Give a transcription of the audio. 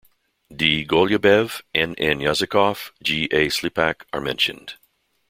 D. Golubev, N. N. Yazykov, G. A. Slipak are mentioned.